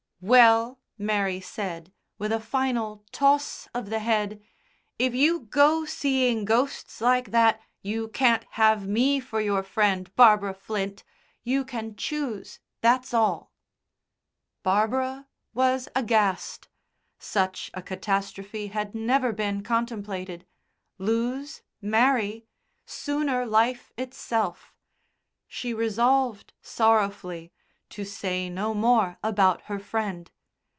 "Well," Mary said, with a final toss of the head, "if you go seeing ghosts like that you can't have me for your friend, Barbara Flint you can choose, that's all." Barbara was aghast. Such a catastrophe had never been contemplated. Lose Mary? Sooner life itself. She resolved, sorrowfully, to say no more about her Friend.